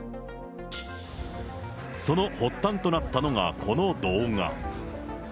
その発端となったのがこの動画。